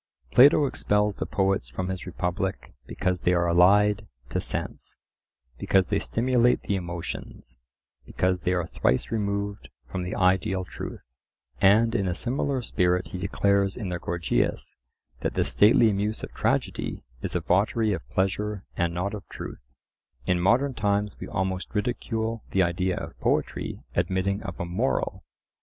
Plato expels the poets from his Republic because they are allied to sense; because they stimulate the emotions; because they are thrice removed from the ideal truth. And in a similar spirit he declares in the Gorgias that the stately muse of tragedy is a votary of pleasure and not of truth. In modern times we almost ridicule the idea of poetry admitting of a moral.